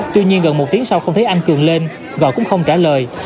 tuy nhiên gần một tiếng sau không thấy anh cường lên gọi cũng không trả lời